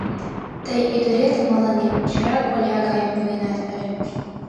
Тый ӱдыретым мыланем чара коля гайым пуэнат ыле.